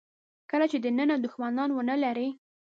کله چې دننه دوښمنان ونه لرئ.